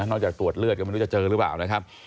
จากตรวจเลือดก็ไม่รู้จะเจอหรือเปล่านะครับ